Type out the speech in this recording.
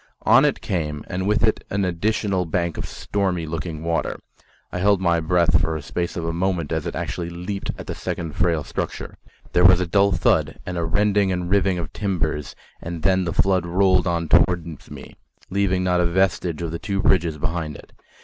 On it came, and with it an additional bank of stormy looking water. I held my breath for the space of a moment as it actually leaped at the second frail structure; there was a dull thud and a rending and riving of timbers, and then the flood rolled on towards me, leaving not a vestige of the two bridges behind it.